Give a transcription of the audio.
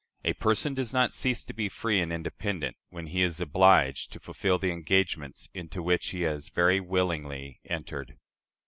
A person does not cease to be free and independent, when he is obliged to fulfill the engagements into which he has very willingly entered."